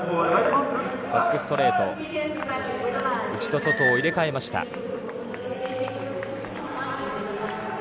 バックストレート、内と外を入れ替えました。